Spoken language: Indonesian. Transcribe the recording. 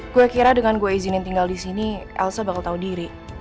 gue kira dengan gue izinin tinggal disini elsa bakal tau diri